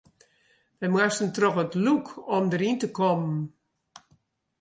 Wy moasten troch in lûk om deryn te kommen.